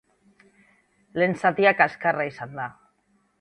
Lehen zatia kaskarra izan da.